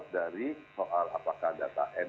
dari soal apakah data